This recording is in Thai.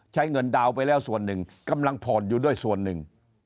ใช้เงินดาวน์ไปแล้วส่วนหนึ่งกำลังผ่อนอยู่ด้วยส่วนหนึ่ง